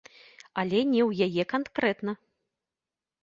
Але не ў яе канкрэтна.